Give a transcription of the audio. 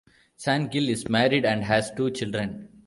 San Gil is married and has two children.